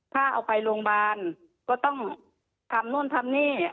ถ้าเอาไปโรงพยาบาลก็ต้องทำนู่นทำนี่